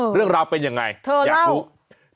เรื่องราวเป็นยังไงอยากรู้เธอเล่า